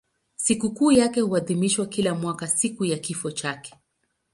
Sikukuu yake huadhimishwa kila mwaka siku ya kifo chake.